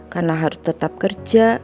karena harus tetap kerja